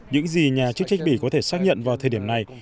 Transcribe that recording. những gì nhà chức trách bỉ có thể xác nhận vào thời điểm này